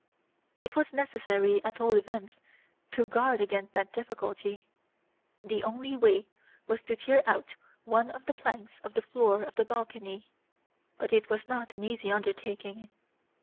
It was necessary at all events to guard against that difficulty; the only way was to tear out one of the planks of the floor of the balcony, but it was not an easy undertaking.